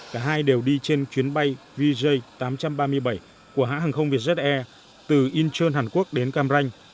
cả hai đều đi trên chuyến bay vj tám trăm ba mươi bảy của hãng không việt jet air từ incheon hàn quốc đến cam ranh